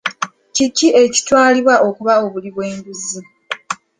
Kiki ekitwalibwa okuba obuli bw'enguzi?